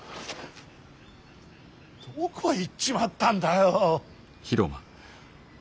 どこ行っちまったんだよ。